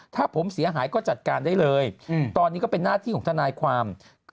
ถ้าผมเสียหายก็จัดการได้เลยตอนนี้ก็เป็นหน้าที่ของทนายความ